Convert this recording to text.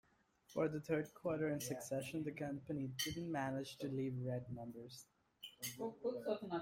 For the third quarter in succession, the company didn't manage to leave red numbers.